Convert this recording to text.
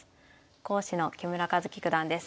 講師の木村一基九段です。